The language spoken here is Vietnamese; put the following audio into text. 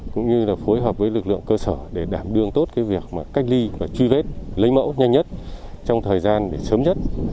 cũng như là phối hợp với lực lượng cơ sở để đảm đương tốt cái việc mà cách ly và truy vết lấy mẫu nhanh nhất trong thời gian để sớm nhất